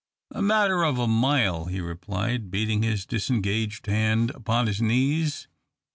"A matter of a mile," he replied, beating his disengaged hand upon his knees.